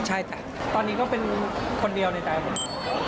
ใช่จ้ะตอนนี้ก็เป็นคนเดียวในใจผม